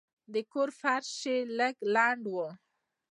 د کور فرش یې لږ لند و.